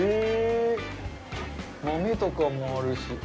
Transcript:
豆とかもあるし。